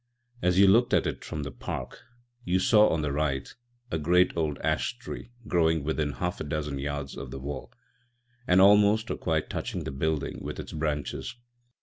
As you looked at it from the park, you saw on the right a great old ash tree growing within half a dozen yards of the wall, and almost or quite touching the building with its branches.